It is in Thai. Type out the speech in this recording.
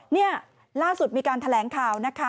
นี่ล่าสุดมีการแถลงข่าวนะคะ